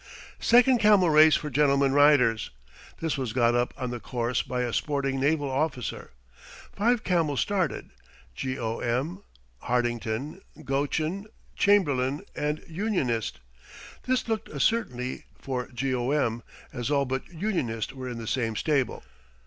"Second camel race, for gentlemen riders. This was got up on the course by a sporting naval officer. Five camels started: G. O. M., Hartington, Goschen, Chamberlain, and Unionist. This looked a certainty for G. O. M., as all but Unionist were in the same stable.